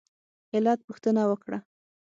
علت پوښتنه وکړه.